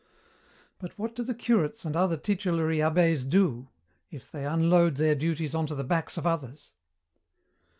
"But what do the curates and other titulary abbés do, if they unload their duties onto the backs of others?"